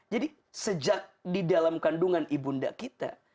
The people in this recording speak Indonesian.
jadi sejak di dalam kandungan ibunda kita